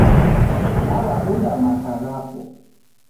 Naw'akunda maka ghapo